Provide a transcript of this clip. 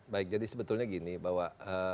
baik jadi sebetulnya gini bahwa